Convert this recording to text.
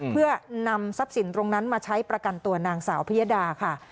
เพื่อนำทรัพย์สินตรงนั้นมาใช้ประกันตัวนางสาวพิยดาค่ะ